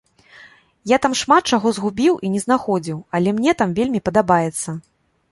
Я там шмат чаго згубіў і не знаходзіў, але мне там вельмі падабаецца.